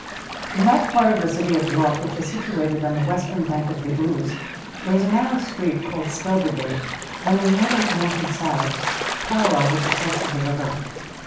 In that part of the city of York which is situated on the western bank of the Ouse there is a narrow street, called Skeldergate, running nearly north and south, parallel with the course of the river.